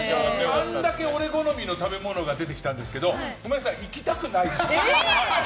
あんだけ俺好みの食べ物が出てきたんですけど行きたくないです。